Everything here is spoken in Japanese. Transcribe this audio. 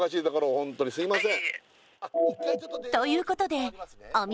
ホントにすいません